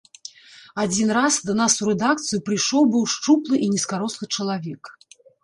Адзін раз да нас у рэдакцыю прыйшоў быў шчуплы і нізкарослы чалавек.